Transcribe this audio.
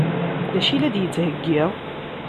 D acu i la d-yettheggi?